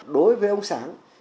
đối với ông sáng